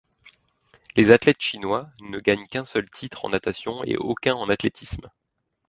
Les athlètes chinois ne gagnent qu'un seul titre en natation et aucun en athlétisme.